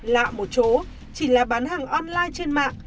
lạ một số chỉ là bán hàng online trên mạng